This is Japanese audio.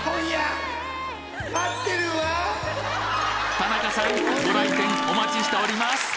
田中さんご来店お待ちしております！